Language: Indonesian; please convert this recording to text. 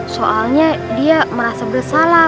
soalnya dia merasa bersalah